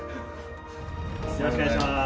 よろしくお願いします。